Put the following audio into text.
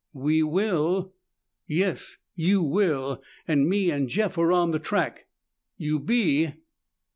"We will?" "Yes, you will! And me and Jeff are on the track." "You be?"